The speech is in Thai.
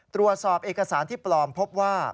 ตรวจสอบเอกสารที่ปลอมพบว่า